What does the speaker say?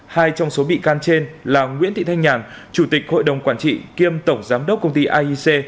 hai trong số bị can trên là nguyễn thị thanh nhàn chủ tịch hội đồng quản trị kiêm tổng giám đốc công ty aic